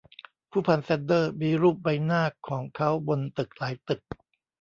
ผู้พันแซนเดอมีรูปใบหน้าของเค้าบนตึกหลายตึก